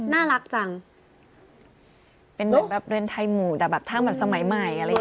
น่ารักจังเป็นแบบแบบเล่นไทยหมู่แต่แบบถ้าแบบสมัยใหม่อะไรอย่างงี้เนอะ